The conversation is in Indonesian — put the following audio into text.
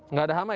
nggak ada aman